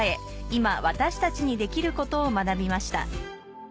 今私たちにできることを学びました